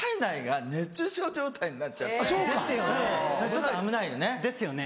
ちょっと危ないよね。ですよね。